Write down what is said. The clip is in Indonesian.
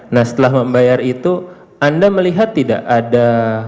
nah setelah membayar itu anda melihat tidak ada